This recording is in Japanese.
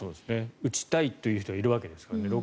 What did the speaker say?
打ちたいという人はいるわけですからね。